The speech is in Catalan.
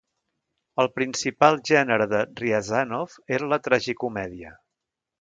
El principal gènere de Ryazanov era la tragicomèdia.